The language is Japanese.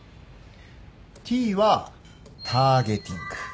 Ｔはターゲティング。